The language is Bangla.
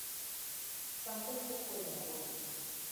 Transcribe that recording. সংকোচ বোধ করবেন না, বলুন।